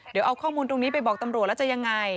เดี๋ยวเอาข้อมูลตรงนี้ไปบอกตำรวจแล้วจะยังไง